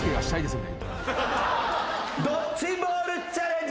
ドッジボールチャレンジ。